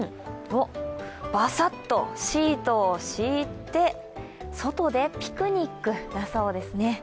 ばさっとシートを敷いて外でピクニックだそうですね。